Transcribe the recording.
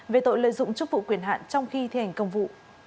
về tội lợi dụng chức vụ quyền hạn trong khi thi hành công vụ